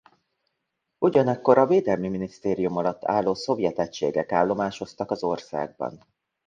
Ugyanekkor a védelmi minisztérium alatt álló szovjet egységek állomásoztak az országban.